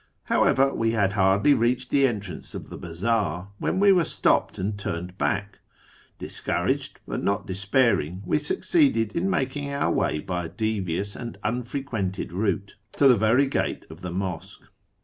However, we had hardly reached the entrance of the bazaar when we were stopped and turned back. Discouraged, but not despairing, we succeeded in making our way by a devious and unfrequented route to the very gate of the mosque.